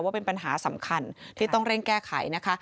ว่าเป็นปัญหาสำคัญที่ต้องเร่งแก้ไขนะคะ